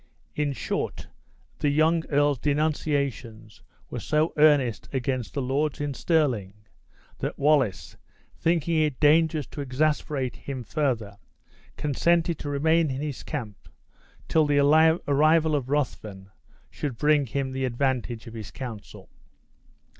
In short, the young earl's denunciations were so earnest against the lords in Stirling, that Wallace, thinking it dangerous to exasperate him further, consented to remain in his camp till the arrival of Ruthven should bring him the advantage of his counsel.